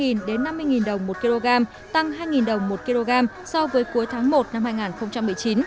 giá lợn hơi tăng ba đồng một kg tăng hai đồng một kg so với cuối tháng một năm hai nghìn một mươi chín